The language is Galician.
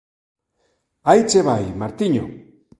Aí che vai, Martiño!